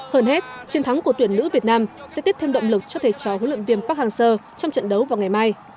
hơn hết chiến thắng của tuyển nữ việt nam sẽ tiếp thêm động lực cho thể trò huy lượng viên park hang seo trong trận đấu vào ngày mai